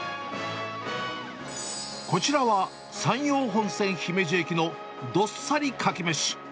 こちらは、山陽本線姫路駅のどっさり牡蠣めし。